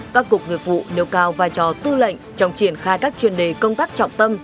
các cục nghiệp vụ nêu cao vai trò tư lệnh trong triển khai các chuyên đề công tác trọng tâm